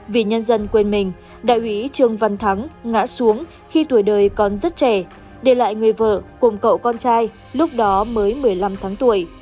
vì nhân dân quên mình đại úy trương văn thắng ngã xuống khi tuổi đời còn rất trẻ để lại người vợ cùng cậu con trai lúc đó mới một mươi năm tháng tuổi